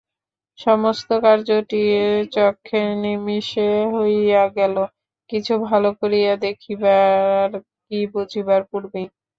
সমস্ত কার্যটি চক্ষের নিমেষে হইয়া গেল, কিছু ভালো করিয়া দেখিবার কি বুঝিবার পূর্বেই।